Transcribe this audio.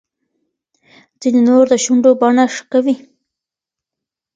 ځینې نور د شونډو بڼه ښه کوي.